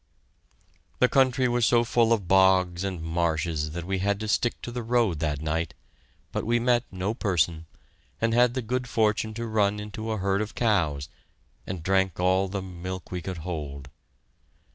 The country was so full of bogs and marshes that we had to stick to the road that night, but we met no person, and had the good fortune to run into a herd of cows, and drank all the milk we could hold.